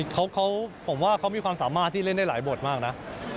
เขาผมว่าเขามีความสามารถที่เล่นได้หลายบทมากนะ